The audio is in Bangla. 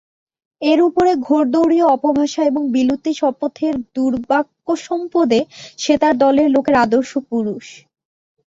এর উপরে ঘোড়দৌড়ীয় অপভাষা এবং বিলিতি শপথের দুর্বাক্যসম্পদে সে তার দলের লোকের আদর্শ পুরুষ।